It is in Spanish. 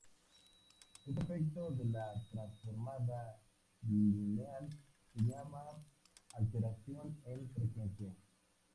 Este efecto de la transformada bilineal se llama alteración en frecuencia.